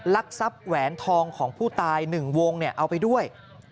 ลักษัพแหวนทองของผู้ตายหนึ่งวงเอาไปด้วย